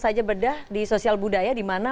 saja bedah di sosial budaya di mana